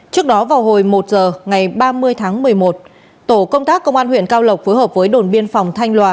trước đó vào hồi một giờ ngày ba mươi tháng một mươi một tổ công tác công an huyện cao lộc phối hợp với đồn biên phòng thanh lòa